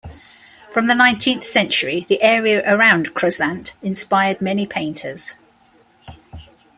From the nineteenth century, the area around Crozant inspired many painters.